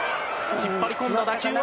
引っ張り込んだ打球は？